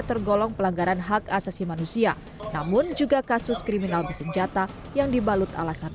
tergolong pelanggaran hak asasi manusia namun juga kasus kriminal bersenjata yang dibalut alasan